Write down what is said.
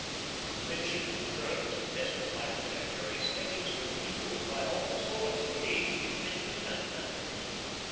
The midshipman's berth, as attested by contemporary sketches, was peopled by all sorts in age, fitness, and manners.